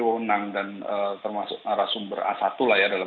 ya ya bagaimanapun memang kan polisi termasuk sosok yang termasuk institusi yang memiliki